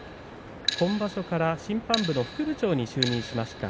今場所から審判部の副部長に就任しました